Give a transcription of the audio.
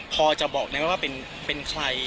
พอจะบอกเนี่ยว่าเป็นใคร